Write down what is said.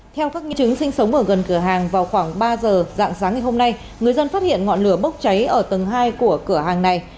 theo các nghi chứng sinh sống ở gần cửa hàng vào khoảng ba giờ dạng sáng ngày hôm nay người dân phát hiện ngọn lửa bốc cháy ở tầng hai của cửa hàng này